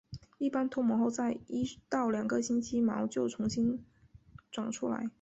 一般脱毛后在一到两个星期毛就回重新长出来。